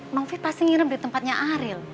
mbak novi pasti nginep di tempatnya aril